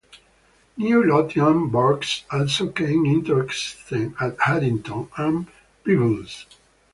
New Lothian burghs also came into existence, at Haddington and Peebles.